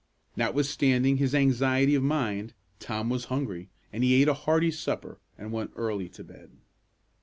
Notwithstanding his anxiety of mind, Tom was hungry, and he ate a hearty supper and went early to bed.